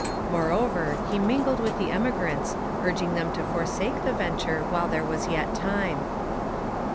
Moreover, he mingled with the emigrants, urging them to forsake the venture while there was yet time.